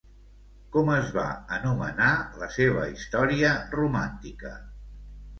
Com es va anomenar la seva història romàntica?